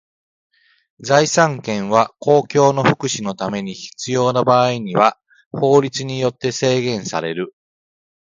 財産権は公共の福祉のために必要な場合には法律によって制限される。